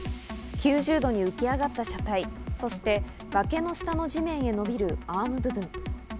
９０度に浮き上がった車体、そして崖の下の地面へ伸びるアーム部分。